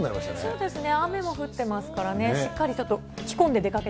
そうですね。